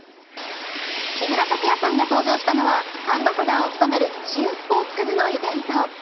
木村拓哉さんが登場したのは、アンバサダーを務める新スポーツくじのイベント。